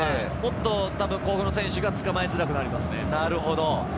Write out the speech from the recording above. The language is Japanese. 甲府の選手が捕まえづらくなりますね。